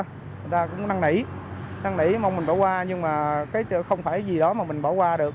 người ta cũng năn nỉ năn nỉ mong mình bỏ qua nhưng mà cái không phải gì đó mà mình bỏ qua được